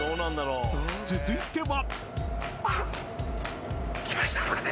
［続いては］